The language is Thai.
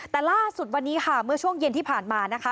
แต่ล่าสุดวันนี้ค่ะเมื่อช่วงเย็นที่ผ่านมานะคะ